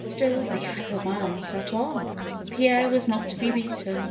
Still the other man sat on! Pierre was not to be beaten.